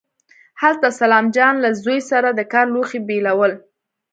هلته سلام جان له زوی سره د کار لوښي بېلول.